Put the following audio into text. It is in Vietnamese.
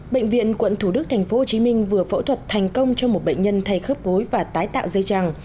bệnh viện quận thủ đức tp hcm vừa phẫu thuật thành công cho một bệnh nhân thay khớp gối và tái tạo dây chẳng